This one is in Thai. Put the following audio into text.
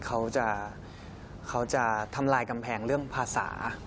เขาจะเขาจะทำลายกำแพงเรื่องภาษา